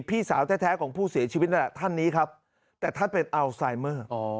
พี่สาวแท้ของผู้เสียชีวิตนั่นแหละท่านนี้ครับแต่ท่านเป็นอัลไซเมอร์